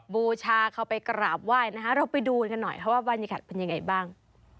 บูชาเขาไปกราบไหว้นะคะเราไปดูกันหน่อยค่ะว่าบรรยากาศเป็นยังไงบ้าง